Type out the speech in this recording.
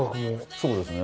そうですね。